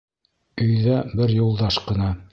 Өйҙә бер Юлдаш ҡына.